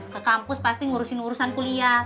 ke kampus pasti ngurusin urusan kuliah